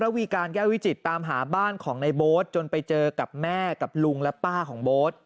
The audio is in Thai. วีการแก้ววิจิตตามหาบ้านของในโบ๊ทจนไปเจอกับแม่กับลุงและป้าของโบ๊ท